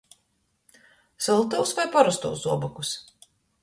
Syltūs voi parostūs zobokus?